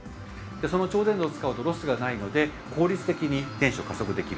その超伝導を使うとロスがないので効率的に電子を加速できる。